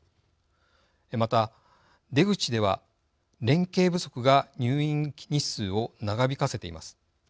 また、出口では連携不足が入院日数を長引かせています。